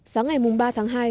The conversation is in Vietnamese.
sáng ngày ba tháng hai